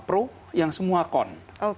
pro yang semua con